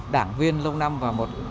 đảng viên lâu năm và một